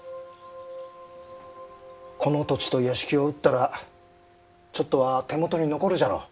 この土地と屋敷を売ったらちょっとは手元に残るじゃろう。